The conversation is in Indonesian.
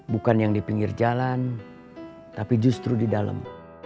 bukan yang di pinggir jalan tapi justru di dalam